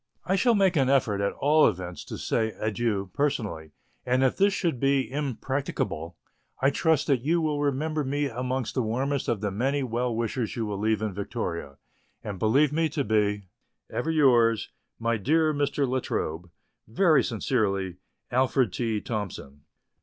I shall make an effort at all events to say adieu personally, and if this should be impracticable I trust that you will remember me amongst the warmest of the many well wishers you will leave in Victoria ; and believe me to be, Ever yours, my dear Mr. La Trobe, Very sincerely, ALFRED T. THOMSON.